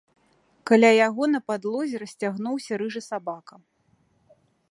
Каля яго на падлозе расцягнуўся рыжы сабака.